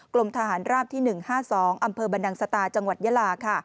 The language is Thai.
กลมทหารราบที่๑๕๒อำเภอบันดังสตาจังหวัดเยลา